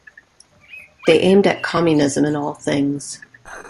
They aimed at communism in all things.